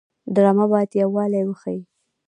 ډرامه باید یووالی وښيي